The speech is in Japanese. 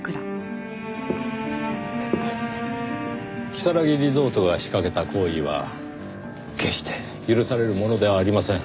如月リゾートが仕掛けた行為は決して許されるものではありません。